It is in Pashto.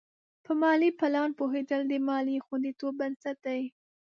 په مالي پلان پوهېدل د مالي خوندیتوب بنسټ دی.